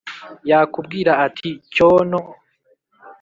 Yakubwira ati: cyono